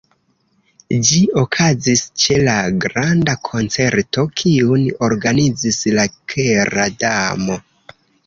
Ĝi okazis ĉe la granda koncerto kiun organizis la Kera Damo.